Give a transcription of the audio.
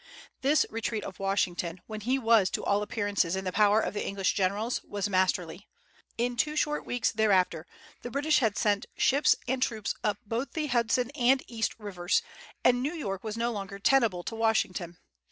This retreat of Washington, when he was to all appearances in the power of the English generals, was masterly. In two short weeks thereafter the British had sent ships and troops up both the Hudson and East rivers, and New York was no longer tenable to Washington.